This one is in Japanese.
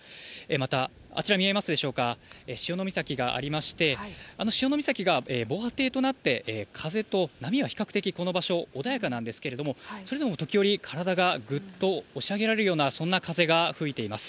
また、あちら見えますでしょうか、潮岬がありまして、あの潮岬が防波堤となって、風と波は比較的この場所穏やかなんですけど、それでも時折、体がぐっと押し上げられるようなそんな風が吹いています。